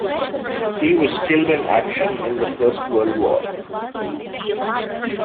He was killed in action in the First World War.